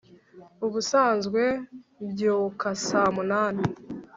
ubusanzwe mbyuka saa munani